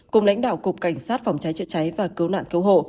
cùng lãnh đạo cục cảnh sát phòng cháy chữa cháy và cứu nạn cứu hộ